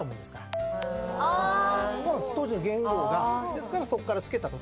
ですからそこから付けたと。